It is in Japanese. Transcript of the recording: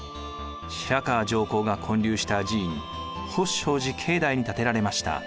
白河上皇が建立した寺院法勝寺境内に建てられました。